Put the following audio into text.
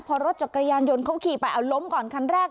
พอรถจักรยานยนต์เขาขี่ไปเอาล้มก่อนคันแรก